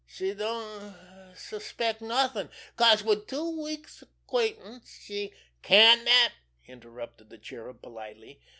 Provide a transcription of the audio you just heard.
She don't suspect nothing, 'cause wid two weeks' acquaintance she——" "Can dat!" interrupted the Cherub politely.